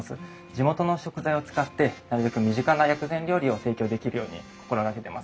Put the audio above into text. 地元の食材を使ってなるべく身近な薬膳料理を提供できるように心がけてます。